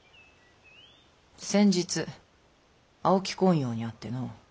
先日青木昆陽に会っての。